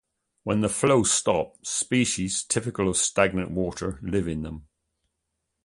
With the flow stopped, species typical of stagnant water live in them.